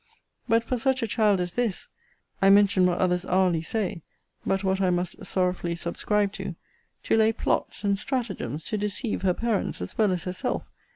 But for such a child as this [I mention what others hourly say, but what I must sorrowfully subscribe to] to lay plots and stratagems to deceive her parents as well as herself!